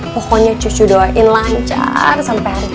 pokoknya cucu doain lancar sampe harga